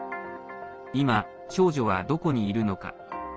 今、少女はどこにいるのか。